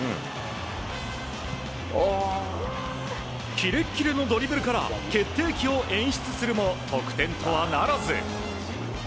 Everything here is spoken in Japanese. キレッキレのドリブルから決定機を演出するも得点とはならず。